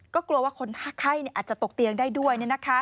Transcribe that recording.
ก็กลัวว่าคนไข้อาจจะตกเตียงได้ด้วย